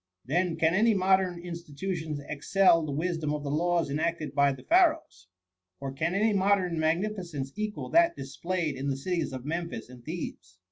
Then, can any modern institutions excel the wisdom of the laws enacted by the Pha raohs ? or can any modem magnificence equal that displayed in the cities of Memphis and Thebes?